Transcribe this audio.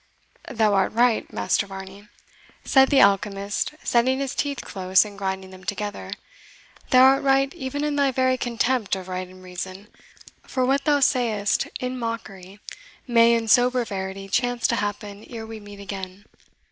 "Thou art right, Master Varney," said the alchemist setting his teeth close and grinding them together "thou art right even in thy very contempt of right and reason. For what thou sayest in mockery may in sober verity chance to happen ere we meet again.